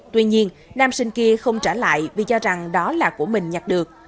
tuy nhiên nam sinh kia không trả lại vì cho rằng đó là của mình nhặt được